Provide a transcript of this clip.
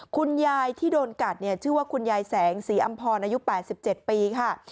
คุณยายที่โดนกัดเนี่ยชื่อว่าคุณยายแสงสีอำพรอายุ๘๗ปีค่ะ